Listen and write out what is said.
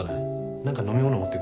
何か飲み物持ってくる。